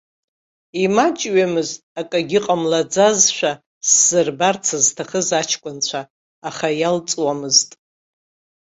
Имаҷҩымызт акгьы ҟамлаӡазшәа сзырбарц зҭахыз аҷкәынцәа, аха иалҵуамызт.